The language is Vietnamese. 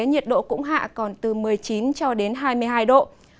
nhiệt độ cũng hạ còn từ một mươi chín hai mươi hai độ